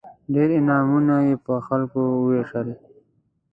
ډېر انعامونه یې پر خلکو ووېشل.